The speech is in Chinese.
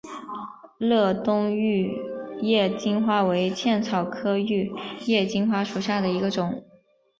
乐东玉叶金花为茜草科玉叶金花属下的一个种。